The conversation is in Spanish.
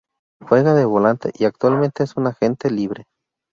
Juega de volante y actualmente es un agente libre.